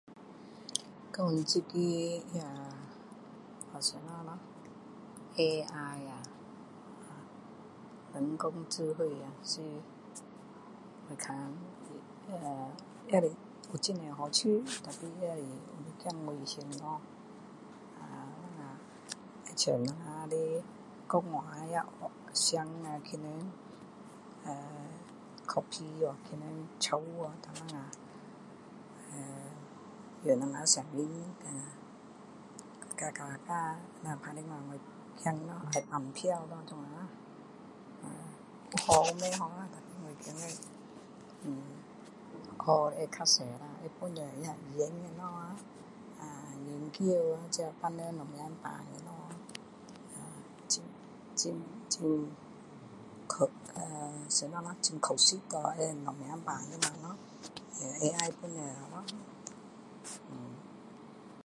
讲这个，那，叫什么咯？AI 啊，人工智慧是我看也是有很多好处啦！可是也是有点危险 ahh 等下， 好像我们的讲话的声啊，被人 ahh copy 了给人抄了。那等下 ahh 用我们的声音 ahh 假假打电话我听咯，绑票啦这样咯，[ahh] 有好有不好啦！可是我觉得 ehh 好有比较多啦，可以帮忙那医生这样啊，研究这病人什么病这样咯。[ahh] 很很很 [unintelligible] 什么咯？很靠实，什么病这样咯？AI 帮助了咯！ ehh